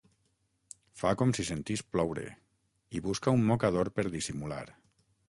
Fa com si sentís ploure i busca un mocador per dissimular.